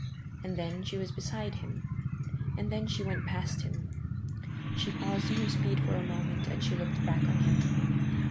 And then she was beside him, and then she went past him. She paused in her speed for a moment and she looked back on him.